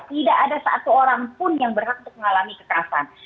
tidak ada satu orang pun yang berhak untuk mengalami kekerasan